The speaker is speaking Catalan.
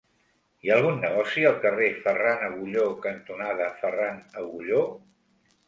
Hi ha algun negoci al carrer Ferran Agulló cantonada Ferran Agulló?